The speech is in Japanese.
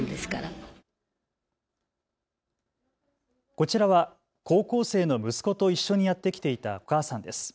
こちらは高校生の息子と一緒にやって来ていたお母さんです。